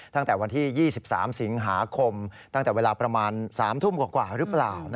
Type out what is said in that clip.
ตั้งแต่วันที่๒๓สิงหาคมตั้งแต่เวลาประมาณ๓ทุ่มกว่าหรือเปล่า